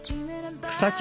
草木